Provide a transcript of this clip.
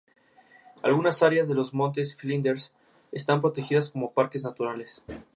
Es uno de los principales minerales de hierro conocido desde tiempos prehistóricos.